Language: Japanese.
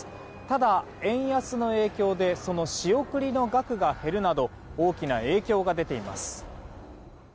ただ、円安の影響でその仕送りの額が減るなど大きな影響が出ています。